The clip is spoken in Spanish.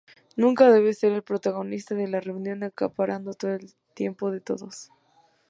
Nunca debe ser el protagonista de la reunión, acaparando el tiempo de todos.